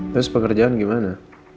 terus pekerjaan gimana